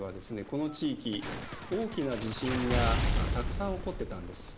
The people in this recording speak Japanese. この地域大きな地震がたくさん起こってたんです。